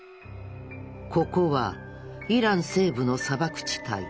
ここはイラン西部の砂漠地帯。